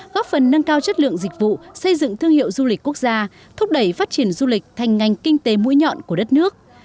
góp phần nâng cao chất lượng dịch vụ xây dựng thương hiệu du lịch quốc gia thúc đẩy phát triển du lịch thành ngành kinh tế mũi nhọn của đất nước